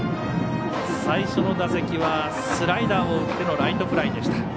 最初の打席はスライダーを打ってのライトフライでした。